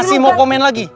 masih mau komen lagi